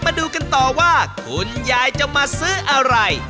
มาดูกันต่อว่าคุณยายจะมาซื้ออะไร